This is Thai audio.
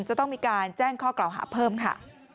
จะต้องมีการแจ้งข้อกล่าวหาเพิ่มค่ะ